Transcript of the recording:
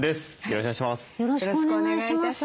よろしくお願いします。